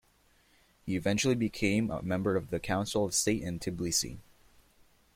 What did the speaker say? He eventually became a member of the Council of State in Tiblisi.